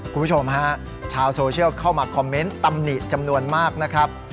คุณผู้ชมฮะชาวโซเชียลเข้ามาคอมเมนต์ตำหนิจำนวนมากนะครับ